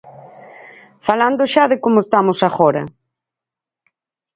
Falando xa de como estamos agora.